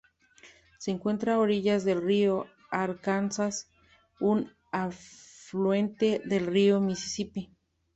Se encuentra a orillas del río Arkansas, un afluente del río Misisipi.